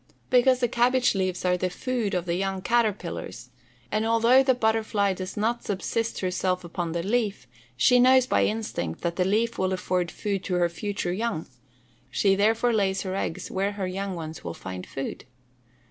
_ Because the cabbage leaves are the food of the young caterpillars; and although the butterfly does not subsist herself upon the leaf, she knows by instinct that the leaf will afford food to her future young; she therefore lays her eggs where her young ones will find food.